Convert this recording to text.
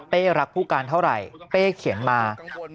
รักผู้การเท่าไหร่เป้เขียนมา